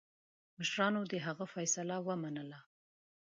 مشرانو د هغه فیصله ومنله.